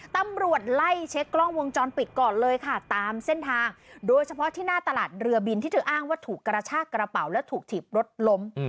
ตำรวจไล่เช็คกล้องวงจรปิดก่อนเลยค่ะตามเส้นทางโดยเฉพาะที่หน้าตลาดเรือบินที่เธออ้างว่าถูกกระชากระเป๋าและถูกถีบรถล้ม